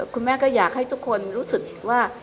คุณแม่ก็อยากให้ทุกคนรู้สึกว่า